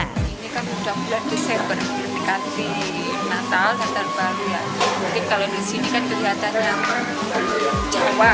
ini kan udah bulan desember dikati natal natal baru ya